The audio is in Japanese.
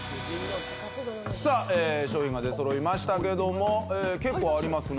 さあ商品が出揃いましたけども結構ありますね